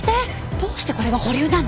どうしてこれが保留なの？